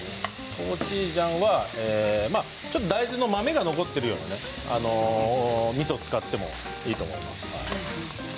トーチ醤は大豆の豆が残っているようなみそを使ってもいいと思います。